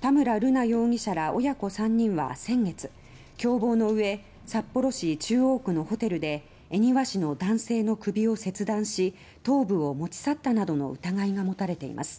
田村瑠奈容疑者ら親子３人は先月、共謀の上札幌市中央区のホテルで恵庭市の男性の首を切断し頭部を持ち去ったなどの疑いが持たれています。